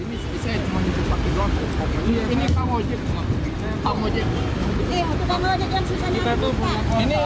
ini saya cuma jepit pake doang